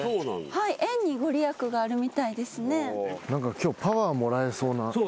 今日パワーもらえそうな。